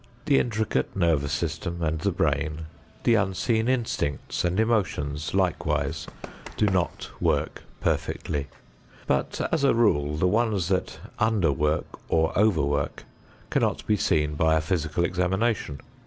The intricate nervous system and the brain, the unseen instincts and emotions likewise do not work perfectly; but as a rule the ones that underwork or overwork cannot be seen by a physical examination.